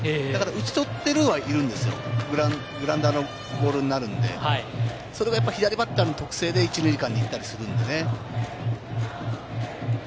打ち取ってはいるんですよ、グラウンダーのボールになるので、それが左バッターの特性で１塁間に行ったりするので。